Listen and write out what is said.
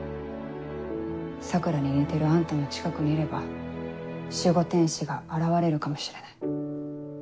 桜に似てるあんたの近くにいれば守護天使が現れるかもしれない。